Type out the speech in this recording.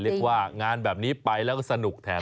เรียกว่างานแบบนี้ไปแล้วก็สนุกแถม